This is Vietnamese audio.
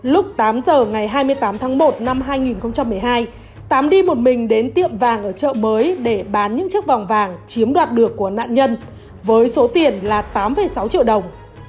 lúc tám giờ ngày hai mươi tám tháng một năm hai nghìn một mươi hai tám đi một mình đến tiệm vàng ở chợ mới để bán những chiếc vòng vàng chiếm đoạt được của nạn nhân với số tiền là tám sáu triệu đồng